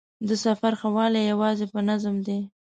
د سفر ښه والی یوازې په نظم دی.